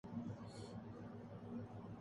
تو ایسی ہی کمزوریاں دکھائی دیتی ہیں۔